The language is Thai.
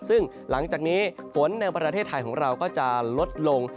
ซึ่งหลังจากนี้ฝนในประเทศไทยของเราก็จะลดลง